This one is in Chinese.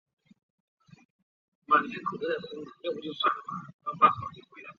唐太宗贞观十一年。